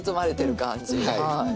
はい。